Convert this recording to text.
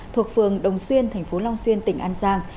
thuộc phường đồng xuyên thành phố long xuyên tỉnh an giang